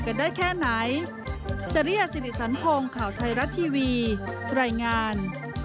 กันได้แค่ไหนจริยสิริสันพงศ์ข่าวไทยรัฐทีวีรายงาน